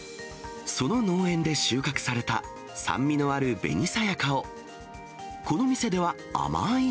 その農園で収穫された、酸味のある紅さやかを、この店では甘ーい